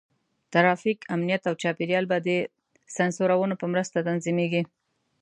ټرافیک، امنیت، او چاپېریال به د سینسرونو په مرسته تنظیمېږي.